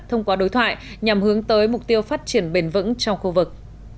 thông qua đối thoại nhằm hướng tới mục tiêu phát triển bền vững trong khu vực